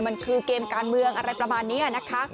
มันคือเกมการเมืองอะไรประมาณนี้นะคะ